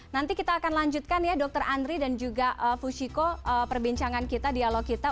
nanti kita akan lanjutkan ya dokter andri dan juga fushiko perbincangan kita dialog kita